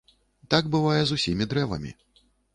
Так бывае з усімі дрэвамі.